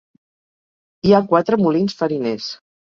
Hi ha quatre molins fariners.